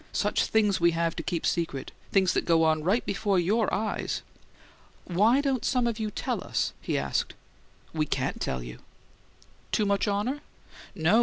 "Such things we have to keep secret things that go on right before YOUR eyes!" "Why don't some of you tell us?" he asked. "We can't tell you." "Too much honour?" "No.